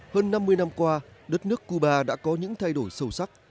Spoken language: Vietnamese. hơn năm mươi năm qua đất nước cuba đã có những thay đổi sâu sắc